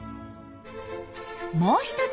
もう一つ。